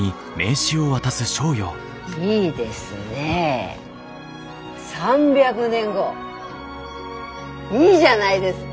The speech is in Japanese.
いいですね３００年後いいじゃないですか。